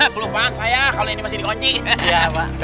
kelupaan saya kalo ini masih dikunci